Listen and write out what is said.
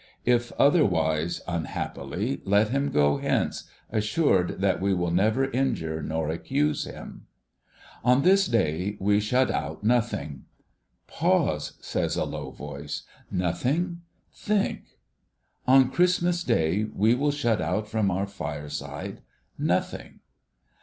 If otherwise, unhappily, let him go hence, assured that we will never injure nor accuse him. On this day we shut out Nothing !' Pause,' says a low voice. ' Nothing ? Think !'' On Christmas Day, we will shut out from our fireside, Nothing.'